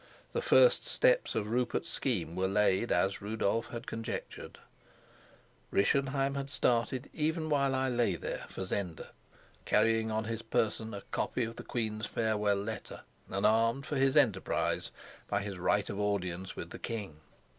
The first steps of Rupert's scheme were laid as Rudolf had conjectured: Rischenheim had started, even while I lay there, for Zenda, carrying on his person a copy of the queen's farewell letter and armed for his enterprise by his right of audience with the king.